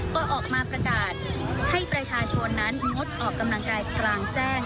ก็ออกมาประกาศให้ประชาชนนั้นงดออกกำลังกายกลางแจ้ง